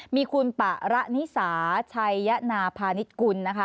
มีคุณปะระนิสาชัยยนาพาณิชยกุลนะคะ